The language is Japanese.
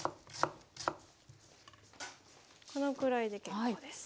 このくらいで結構です。